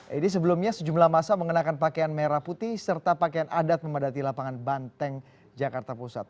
jadi sebelumnya sejumlah masa mengenakan pakaian merah putih serta pakaian adat memadati lapangan banteng jakarta pusat